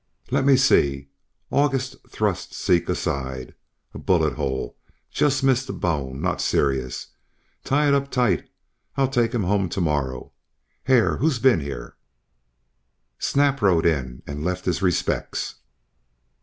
"Let me see," August thrust Zeke aside. "A bullet hole just missed the bone not serious. Tie it up tight. I'll take him home to morrow.... Hare, who's been here?" "Snap rode in and left his respects."